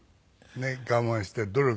我慢して努力。